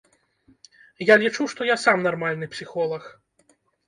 Я лічу, што я сам нармальны псіхолаг.